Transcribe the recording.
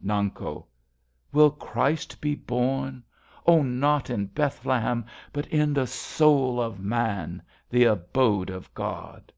Nanko. Will Christ be born, oh, not in Beth lehem, But in the soul of man, the abode of God?